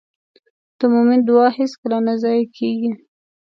د مؤمن دعا هېڅکله نه ضایع کېږي.